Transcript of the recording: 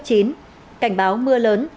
cảnh báo mưa lớn